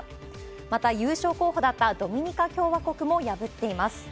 また優勝候補だったドミニカ共和国も破っています。